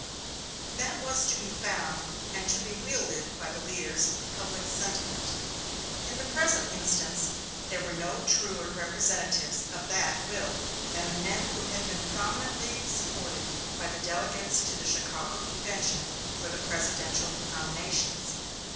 That was to be found and to be wielded by the leaders of public sentiment In the present instance there were no truer representatives of that will than the men who had been prominently supported by the delegates to the Chicago convention for the presidential nominations.